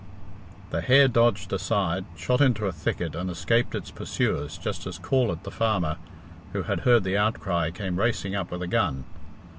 The hare dodged aside, shot into a thicket, and escaped its pursuers just as Corlett, the farmer, who had heard the outcry, came racing up with a gun.